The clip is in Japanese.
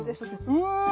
うわ！